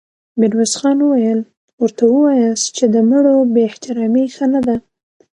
ميرويس خان وويل: ورته وواياست چې د مړو بې احترامې ښه نه ده.